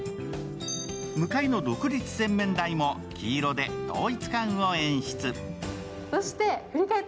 向かいの独立洗面台も黄色で統一感を演出。